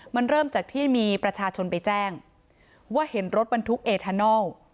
มันเริ่มจากที่มีประชาชนไปแจ้งว่าเห็นรถบรรทุกเอทานัล